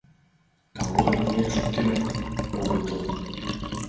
— Талоным пуэн шуктен огытыл.